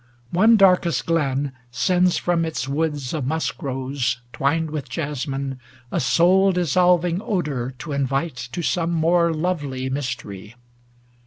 One darkest glen Sends from its woods of musk rose twin'^ with jasmine A soul dissolving odor to invite To some more lovely mystery.